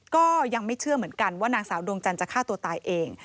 ก็ยังไม่เชื่อเหมือนกันว่านางสาวดวงจันทร์จะฆ่าตัวตายเอง